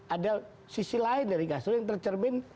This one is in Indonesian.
ada sisi lain dari gasro yang tercermin